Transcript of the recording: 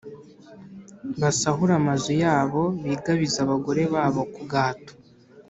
basahure amazu yabo ; bigabize abagore babo ku gahato.